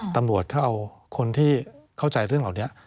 ตำรวจเขาเอาคนที่เข้าใจเรื่องเหล่านี้